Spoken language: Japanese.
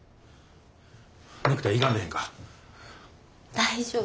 大丈夫。